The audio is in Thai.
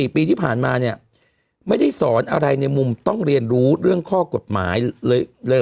ปีที่ผ่านมาเนี่ยไม่ได้สอนอะไรในมุมต้องเรียนรู้เรื่องข้อกฎหมายเลย